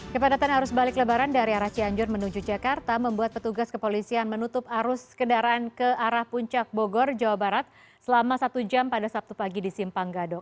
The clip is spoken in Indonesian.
kepadatan arus balik lebaran dari arah cianjur menuju jakarta membuat petugas kepolisian menutup arus kendaraan ke arah puncak bogor jawa barat selama satu jam pada sabtu pagi di simpang gadok